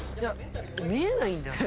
見えないんだよ。